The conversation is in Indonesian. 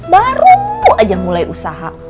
baru aja mulai usaha